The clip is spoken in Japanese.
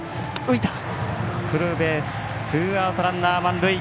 ツーアウト、ランナー、満塁。